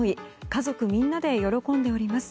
家族みんなで喜んでおります